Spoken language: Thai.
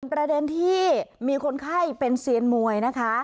ประเด็นที่มีคนไข้เป็นเซียนมวยนะคะ